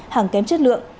hàng kém chất lượng